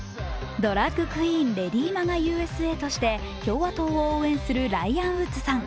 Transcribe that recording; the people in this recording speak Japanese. ドラァグクイーン、レディー・マガ・ＵＳＡとして共和党を応援するライアン・ウッズさん。